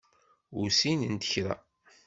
Ur ssinent kra.